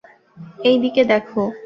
এই দিকে দেখো।